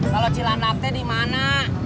kalau cilandaknya dimana